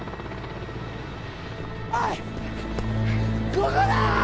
ここだ！